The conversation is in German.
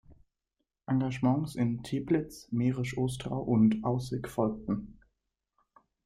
Engagements in Teplitz, Mährisch-Ostrau und Aussig folgten.